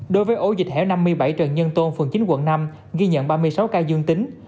đối với ổ dịch hẻo năm mươi bảy trần nhân tôn phường chín quận năm ghi nhận ba mươi sáu ca dương tính